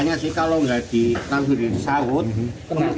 ternyata tersangka berusaha melarikan diri